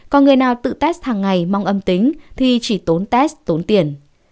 còn người nào tự test hàng ngày mong âm tính thì chỉ tốn test tốn tiền